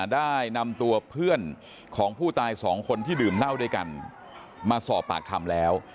ได้นำตัวเพื่อนของผู้ตายสองคนที่ดื่มเหล้าด้วยกันมาสอบปากคำแล้ว